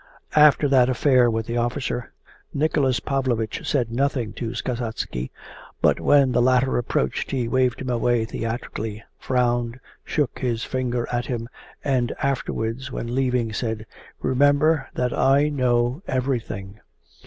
After that affair with the officer, Nicholas Pavlovich said nothing to Kasatsky, but when the latter approached he waved him away theatrically, frowned, shook his finger at him, and afterwards when leaving, said: 'Remember that I know everything.